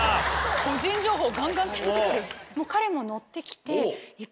個人情報ガンガン聞いてくる。